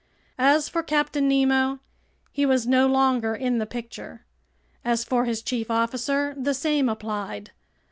As for Captain Nemo, he was no longer in the picture. As for his chief officer, the same applied.